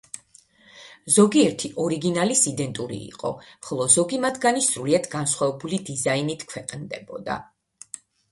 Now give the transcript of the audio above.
ზოგიერთი ორიგინალის იდენტური იყო, ხოლო ზოგი მათგანი სრულიად განსხვავებული დიზაინით ქვეყნდებოდა.